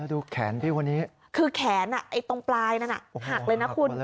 ดูแขนพี่คนนี้คือแขนตรงปลายนั้นหักเลยนะคุณ